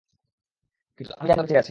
কিন্তু, আমি জানি ও বেঁচে আছে!